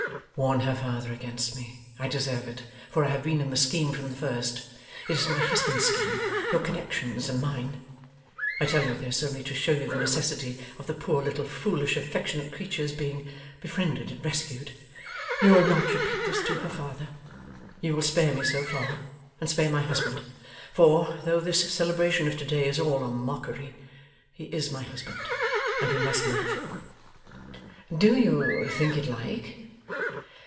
Warn her father against me. I deserve it, for I have been in the scheme from the first. It is my husband's scheme, your connexion's, and mine. I tell you this, only to show you the necessity of the poor little foolish affectionate creature's being befriended and rescued. You will not repeat this to her father. You will spare me so far, and spare my husband. For, though this celebration of to day is all a mockery, he is my husband, and we must live. Do you think it like?